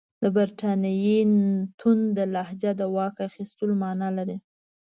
د برټانیې تونده لهجه د واک اخیستلو معنی لري.